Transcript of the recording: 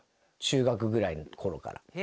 中学ぐらいの頃から。